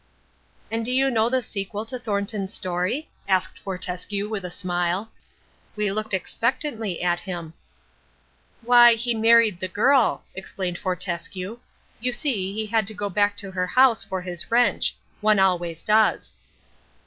"And do you know the sequel to Thornton's story?" asked Fortescue with a smile. We looked expectantly at him. "Why, he married the girl," explained Fortescue. "You see, he had to go back to her house for his wrench. One always does."